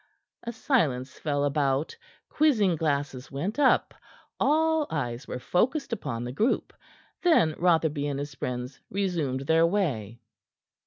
A silence fell about; quizzing glasses went up; all eyes were focussed upon the group. Then Rotherby and his friends resumed their way.